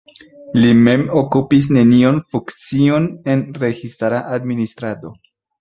Li mem okupis neniun funkcion en registara administrado.